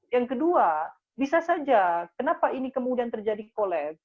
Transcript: yang kedua bisa saja kenapa ini kemudian terjadi kolaps